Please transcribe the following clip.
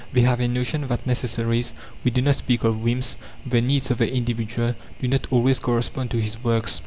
They have a notion that necessaries we do not speak of whims the needs of the individual, do not always correspond to his works.